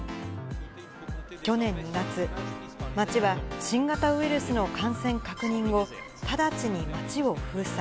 去年２月、町は新型ウイルスの感染確認後、直ちに町を封鎖。